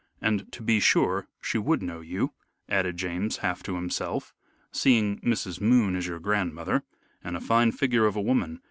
And, to be sure, she would know you," added James, half to himself, "seeing Mrs. Moon is your grandmother, and a fine figure of a woman.